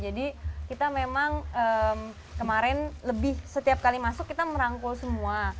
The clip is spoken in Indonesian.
jadi kita memang kemarin lebih setiap kali masuk kita merangkul semua